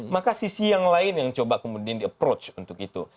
maka sisi yang lain yang coba kemudian di approach untuk itu